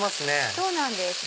そうなんです。